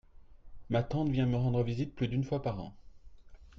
Ma tante vient me rendre visite plus d'une fois par an.